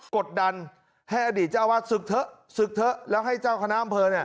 กดดันให้อดีตเจ้าอาวาสศึกเถอะศึกเถอะแล้วให้เจ้าคณะอำเภอ